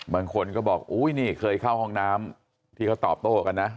บางคนก็บอกอุ้ยนี่เคยเข้าห้องน้ำที่เขาตอบโต้กันนะ